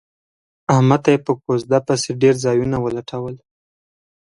احمد ته یې په کوزده پسې ډېر ځایونه ولټول.